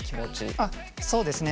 あっそうですね。